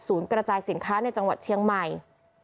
กระจายสินค้าในจังหวัดเชียงใหม่